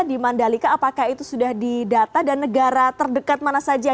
di mandalika apakah itu sudah didata dan negara terdekat mana saja